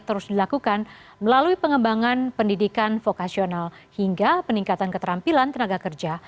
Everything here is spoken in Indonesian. terus dilakukan melalui pengembangan pendidikan vokasional hingga peningkatan keterampilan tenaga kerja